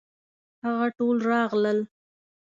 هغه ټول راغلل.